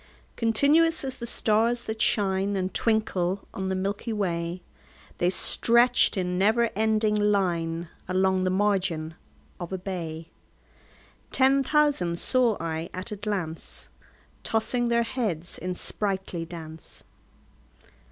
Continuous as the stars that shine And twinkle on the milky way, They stretched in never ending line Along the margin of a bay: 10 Ten thousand saw I at a glance, Tossing their heads in sprightly dance.